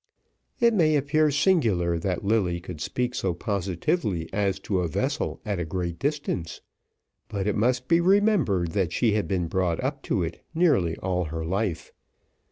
It may appear singular that Lilly could speak so positively as to a vessel at a great distance; but it must be remembered that she had been brought up to it, nearly all her life.